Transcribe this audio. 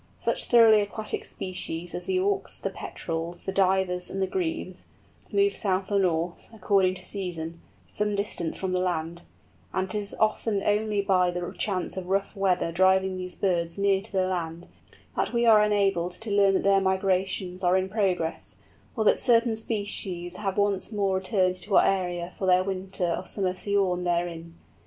Such thoroughly aquatic species as the Auks, the Petrels, the Divers, and the Grebes, move south or north, according to season, some distance from the land; and it is often only by the chance of rough weather driving these birds near to the land, that we are enabled to learn that their migrations are in progress, or that certain species have once more returned to our area for their winter or summer sojourn therein.